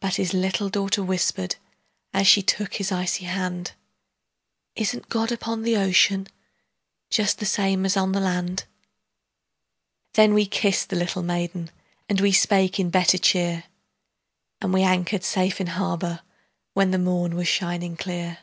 But his little daughter whispered, As she took his icy hand, "Isn't God upon the ocean, Just the same as on the land?" Then we kissed the little maiden, And we spake in better cheer, And we anchored safe in harbor When the morn was shining clear.